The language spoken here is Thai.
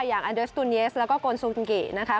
อย่างอันเดสตูนเยสแล้วก็กนซูนกินะคะ